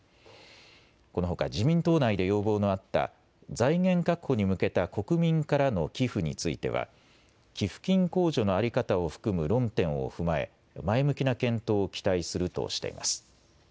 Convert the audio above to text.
このほか自民党内で要望のあった財源確保に向けた国民からの寄付については寄付金控除の在り方を含む論点を踏まえ、前向きな検討を期待するとしています。